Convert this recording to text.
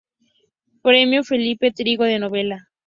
Premio Felipe Trigo de novela.